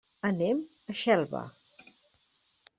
Anem a Xelva.